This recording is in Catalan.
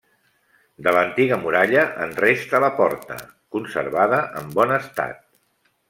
De l'antiga muralla en resta la porta, conservada en bon estat.